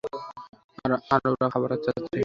আর ওরা খাবার চাচ্ছে।